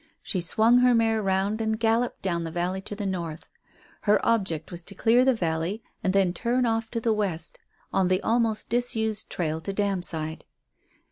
She swung her mare round and galloped down the valley to the north. Her object was to clear the valley and then turn off to the west on the almost disused trail to Damside.